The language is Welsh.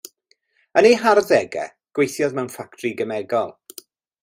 Yn ei harddegau gweithiodd mewn ffatri gemegol.